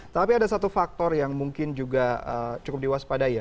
tapi ada satu faktor yang mungkin juga cukup diwaspadai ya